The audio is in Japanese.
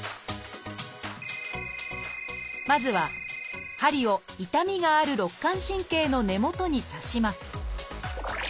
まずは針を痛みがある肋間神経の根元に刺します。